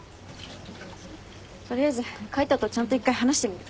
取りあえず海斗とちゃんと一回話してみる。